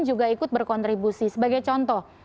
juga ikut berkontribusi sebagai contoh